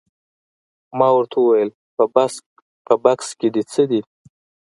ما ورته وویل په بکس کې دې څه دي؟